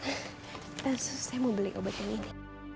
dan saya mau beli obat yang ini